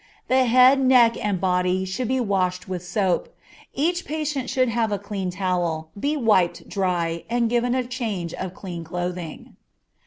The head, neck, and body should be washed with soap; each patient should have a clean towel, be wiped dry, and given a change of clean clothing.